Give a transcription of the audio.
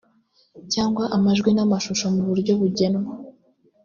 cyangwa amajwi n amashusho mu buryo bugenwa